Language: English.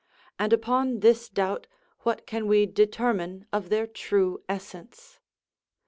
And upon this doubt what can we determine of their true essence?